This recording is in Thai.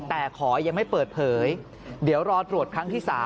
แต่ขอยังไม่เปิดเผยเดี๋ยวรอตรวจครั้งที่๓